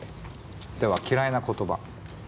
では嫌いな言葉。